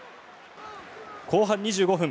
後半２５分。